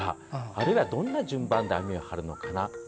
あるいは、どんな順番で網を張るのかな。